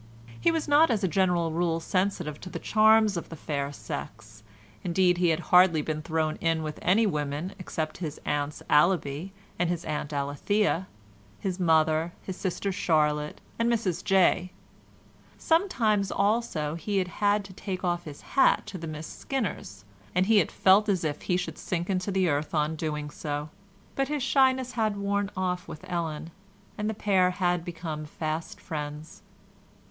He was not as a general rule sensitive to the charms of the fair sex, indeed he had hardly been thrown in with any women except his Aunts Allaby, and his Aunt Alethea, his mother, his sister Charlotte and Mrs Jay; sometimes also he had had to take off his hat to the Miss Skinners, and had felt as if he should sink into the earth on doing so, but his shyness had worn off with Ellen, and the pair had become fast friends.